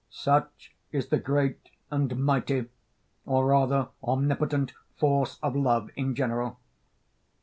Such is the great and mighty, or rather omnipotent force of love in general.